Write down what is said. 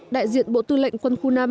đại diện bộ tư lệnh quân khu năm